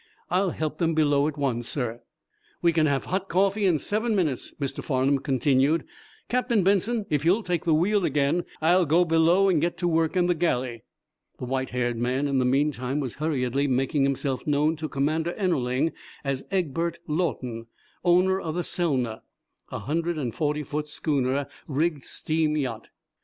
"I'll help them below at once, sir." "We can have hot coffee in seven minutes," Mr. Farnum continued. "Captain Benson, if you'll take the wheel again, I'll go below and get to work in the galley." The white haired man, in the meantime, was hurriedly making himself known to Commander Ennerling as Egbert Lawton, owner of the "Selna," a hundred and forty foot schooner rigged steam yacht.